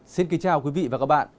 xin kính chào quý vị và các bạn